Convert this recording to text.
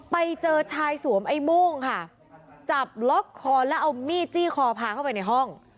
ไปเจอชายสวมไอ้โม่งค่ะจับล็อกคอแล้วเอามีดจี้คอพาเข้าไปในห้อง